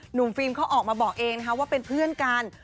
ฟิล์มเขาออกมาบอกเองนะคะว่าเป็นเพื่อนกัน